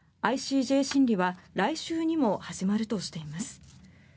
ＩＣＪ審理は来週にも始まるとしています。